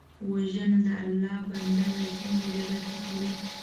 وژنه د الله بنده له ژونده بېبرخې کوي